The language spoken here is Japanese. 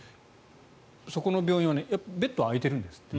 そこの病院はベッドは空いてるんですって。